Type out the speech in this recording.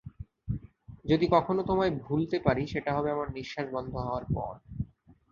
যদি কখনো তোমায় ভুলতে পারি, সেটা হবে আমার নিশ্বাস বন্ধ হওয়ার পর।